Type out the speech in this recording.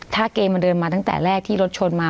ถ้าเกมมันเดินมาตั้งแต่แรกที่รถชนมา